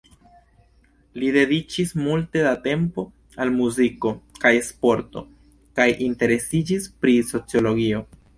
Li dediĉis multe da tempo al muziko kaj sporto kaj interesiĝis pri sociologio.